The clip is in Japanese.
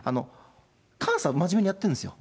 監査は真面目にやってるんですよ。